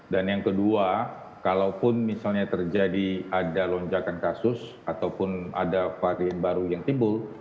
dan yang kedua kalaupun misalnya terjadi ada lonjakan kasus ataupun ada varian baru yang timbul